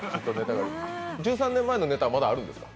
１３年前のネタ、まだあるんですか？